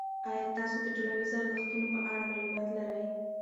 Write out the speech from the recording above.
آیا تاسو د ټولنیزو ارزښتونو په اړه معلومات لرئ؟